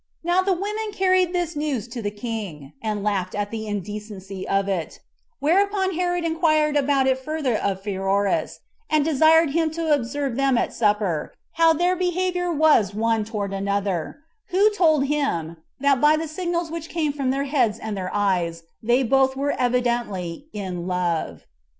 Now the women carried this news to the king, and laughed at the indecency of it; whereupon Herod inquired about it further of Pheroras, and desired him to observe them at supper, how their behavior was one toward another; who told him, that by the signals which came from their heads and their eyes, they both were evidently in love.